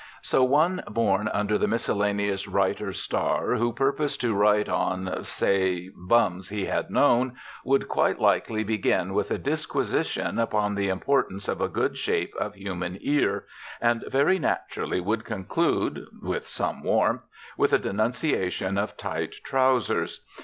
So one born under the miscellaneous writer's star who purposed to write on, say, bums he had known would quite likely begin with a disquisition upon the importance of a good shape of human ear, and very naturally would conclude, with some warmth, with a denunciation of tight trowsers.